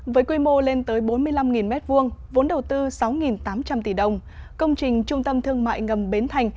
với quy mô lên tới bốn mươi năm m hai vốn đầu tư sáu tám trăm linh tỷ đồng công trình trung tâm thương mại ngầm bến thành